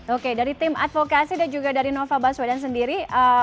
oke dari tim advokasi dan juga dari nova baswedan sendiri